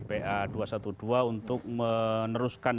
pa dua ratus dua belas untuk meneruskan